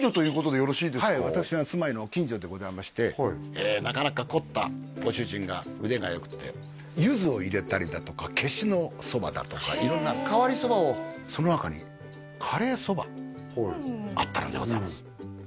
はい私の住まいの近所でございましてなかなか凝ったご主人が腕がよくてユズを入れたりだとかケシのそばだとか色んな変わりそばをその中にあったのでございます